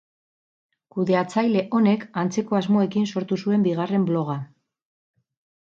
Kudeatzaile honek antzeko asmoekin sortu zuen bigarren bloga.